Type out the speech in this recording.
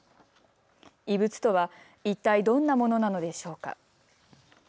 異物とは一体どんなものなのでしょうか。